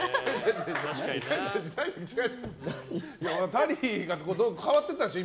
タリーが変わっていったでしょ